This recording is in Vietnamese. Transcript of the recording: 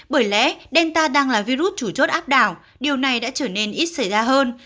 bởi lẽ delta đang là virus chủ chốt áp đảo điều này đã trở nên ít xảy ra hơn